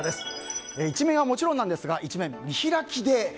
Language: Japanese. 一面はもちろんなんですが一面見開きで。